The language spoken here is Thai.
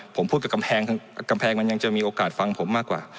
ผมพูดไปกำแพงกำแพงมันยังจะมีโอกาสฟังผมมากกว่า